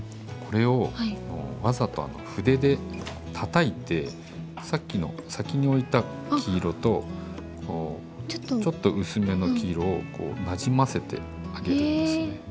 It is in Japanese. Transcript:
これをわざと筆でたたいてさっきの先に置いた黄色とちょっと薄めの黄色をなじませてあげるんですね。